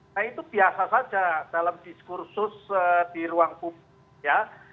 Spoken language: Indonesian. nah itu biasa saja dalam diskursus di ruang publik ya